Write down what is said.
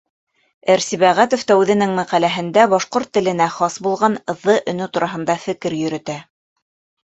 Р.Сибәғәтов та үҙенең мәҡәләһендә башҡорт теленә хас булған ҙ өнө тураһында фекер йөрөтә.